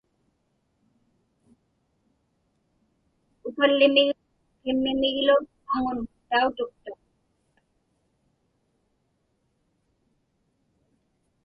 Ukallimiglu qimmimiglu aŋun tautuktuq.